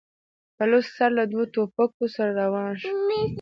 په لوڅ سر له دوو ټوپکوالو سره روان شو.